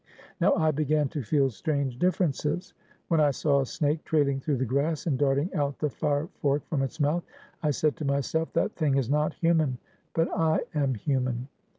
Now I began to feel strange differences. When I saw a snake trailing through the grass, and darting out the fire fork from its mouth, I said to myself, That thing is not human, but I am human.